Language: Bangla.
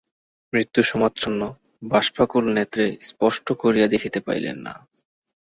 মৃত্যুসমাচ্ছন্ন বাষ্পাকুলনেত্রে স্পষ্ট করিয়া দেখিতে পাইলেন না।